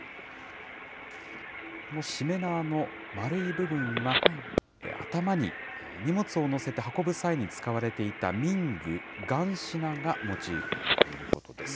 このしめ縄の丸い部分は、頭に荷物を載せて運ぶ際に使われていた民具、ガンシナがモチーフということです。